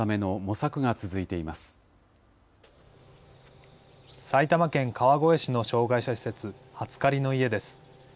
埼玉県川越市の障害者施設、初雁の家です。